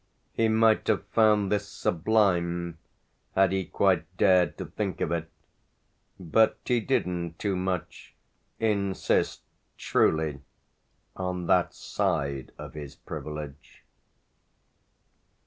He might have found this sublime had he quite dared to think of it; but he didn't too much insist, truly, on that side of his privilege.